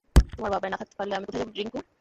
তোমার ভাবনায় না থাকতে পারলে আমি কোথায় যাব, রিংকু?